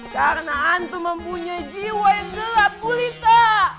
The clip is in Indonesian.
karena antum mempunyai jiwa yang gelap gulita